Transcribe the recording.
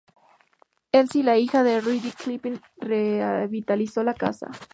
Elsie, la hija de Rudyard Kipling revitalizó la casa.